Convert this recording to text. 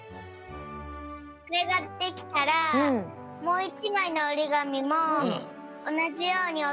これができたらもう１まいのおりがみもおなじようにおってね。